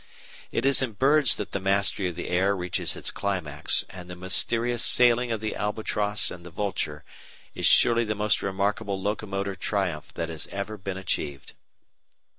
It is in birds that the mastery of the air reaches its climax, and the mysterious "sailing" of the albatross and the vulture is surely the most remarkable locomotor triumph that has ever been achieved.